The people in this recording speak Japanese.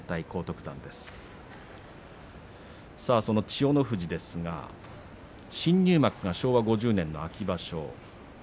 千代の富士ですが新入幕は昭和５０年の秋場所。